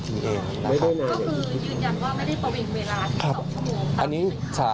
ก็คือยืนยันว่าไม่ได้ประวิงเวลาถึง๒ชั่วโมงค่ะ